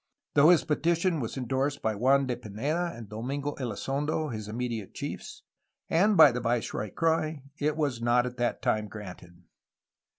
Though his petition was endorsed by Juan de Pineda and Domingo Elizondo (his immediate chiefs) and by Viceroy Croix it was not at that time granted.